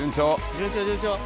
順調順調。